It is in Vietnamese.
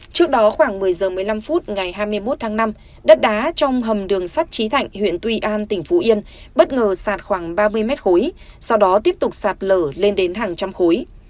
trước đó khoảng một mươi h một mươi năm phút ngày hai mươi một tháng năm đất đá trong hầm đường sắt trí thạnh huyện tuy an tỉnh phú yên bất ngờ sạt khoảng ba mươi mét khối sau đó tiếp tục sạt lở lên đến hàng trăm khối